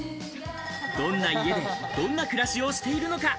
どんな家で、どんな暮らしをしているのか？